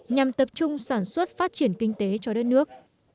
nhằm tập trung sản xuất phát triển kinh tế cho đất nước